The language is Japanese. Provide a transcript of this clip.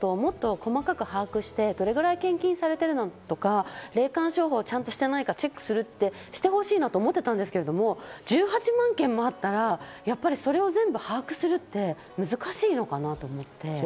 今回を機に国が宗教法人のことをもっと細かく把握して、どれくらい献金されているのかとか、霊感商法をちゃんとしてないかチェックするってしてほしいなと思ってたんですけど、１８万件もあったら、それを把握するって難しいのかなと思って。